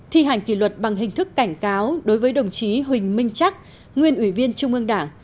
thi hành kỷ luật bằng hình thức cảnh cáo đối với đồng chí huỳnh minh chắc nguyên ủy viên trung ương đảng